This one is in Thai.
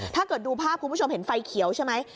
ถ้าเกิดดูภาพคุณผู้ชมเห็นไฟเขียวใช่ไหม